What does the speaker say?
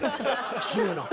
失礼な。